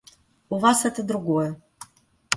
У вас это другое.